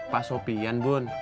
pak sopian bun